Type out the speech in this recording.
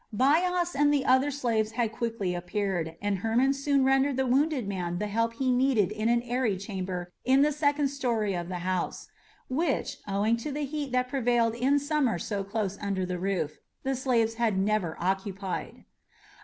Bias and the other slaves had quickly appeared, and Hermon soon rendered the wounded man the help he needed in an airy chamber in the second story of the house, which, owing to the heat that prevailed in summer so close under the roof, the slaves had never occupied.